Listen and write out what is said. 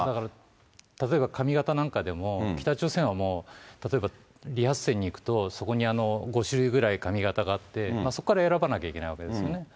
だから、例えば、髪形なんかでも、北朝鮮はもう、例えば理髪店に行くと、そこに５種類ぐらい髪形があって、そこから選ばなきゃいけないわけですね。